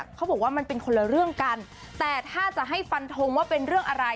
เขาบอกว่ามันเป็นคนละเรื่องกันแต่ถ้าจะให้ฟันทงว่าเป็นเรื่องอะไร